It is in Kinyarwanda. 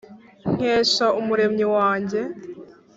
nkesha umuremyi wanjye